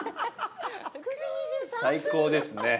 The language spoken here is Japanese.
最高ですね。